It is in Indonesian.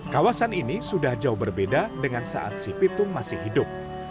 kawasan ini sudah jauh berbeda dengan saat si pitung masih hidup